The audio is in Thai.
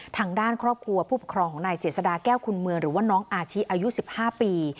ทางด้านครอบครัวผู้ปกครองของนายเจษฎาแก้วคุณเมืองหรือว่าน้องอาชิอายุ๑๕ปี